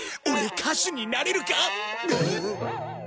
オレ歌手になれるか？